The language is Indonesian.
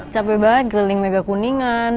capek banget keliling mega kuningan